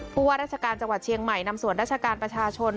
ว่าราชการจังหวัดเชียงใหม่นำส่วนราชการประชาชน